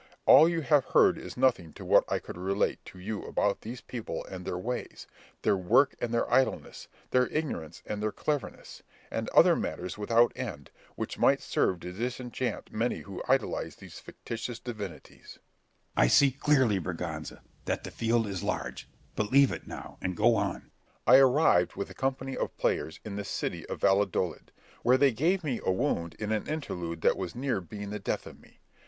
All you have heard is nothing to what I could relate to you about these people and their ways, their work and their idleness, their ignorance and their cleverness, and other matters without end, which might serve to disenchant many who idolise these fictitious divinities. Scip. I see clearly, Berganza, that the field is large; but leave it now, and go on. Berg. I arrived with a company of players in this city of Valladolid, where they gave me a wound in an interlude that was near being the death of me.